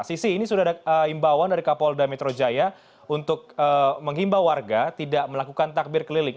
sisi ini sudah ada imbauan dari kapolda metro jaya untuk menghimbau warga tidak melakukan takbir keliling